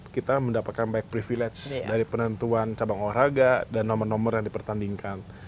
kita mendapatkan banyak privilege dari penentuan cabang olahraga dan nomor nomor yang dipertandingkan